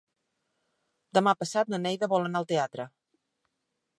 Demà passat na Neida vol anar al teatre.